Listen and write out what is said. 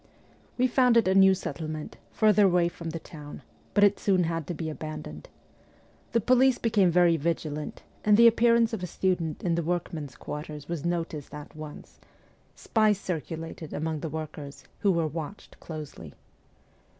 We founded a new settlement, further away from the town, but it had soon to be abandoned. The police became very vigilant, and the appearance of a student in the workmen's quarters wag noticed at once; spies circulated among the workers, who were watched closely.